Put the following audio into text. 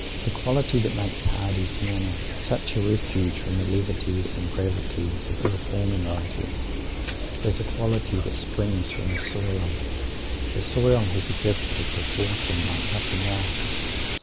The quality that makes Mr. Hardy's manner such a refuge from the levities and gravities of the "reforming writers" is a quality that springs from the soil. The soil has a gift of "proportion" like nothing else.